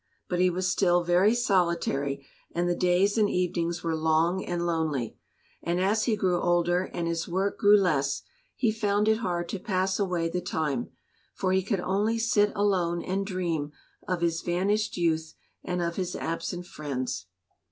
But he was still very solitary, and the days and evenings were long and lonely, and as he grew older and his work grew less, he found it hard to pass away the time, for he could only sit alone and dream of his vanished youth and of his absent friends.